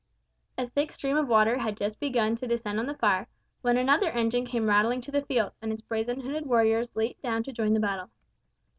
The thick stream of water had just begun to descend on the fire, when another engine came rattling to the field, and its brazen headed warriors leaped down to join the battle.